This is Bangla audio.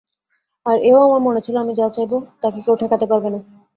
আর এও আমার মনে ছিল, আমি যা চাইব তাকে কেউ ঠেকাতে পারবে না।